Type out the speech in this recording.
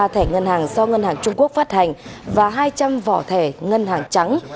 ba thẻ ngân hàng do ngân hàng trung quốc phát hành và hai trăm linh vỏ thẻ ngân hàng trắng